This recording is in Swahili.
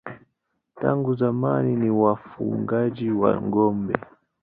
Tangu zamani ni wafugaji wa ng'ombe.